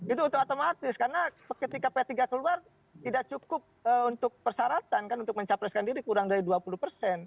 itu otomatis karena ketika p tiga keluar tidak cukup untuk persaratan kan untuk mencapreskan ganjar